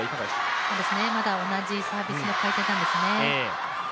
まだ同じサービスの回転なんですね。